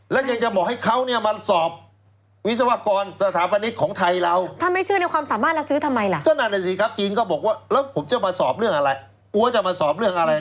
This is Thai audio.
แล้วยังจะบอกให้เขาเนี่ยมาสอบวิศวกรสถาปนิกของไทยเราถ้าไม่เชื่อในความสามารถแล้วซื้อทำไมล่ะ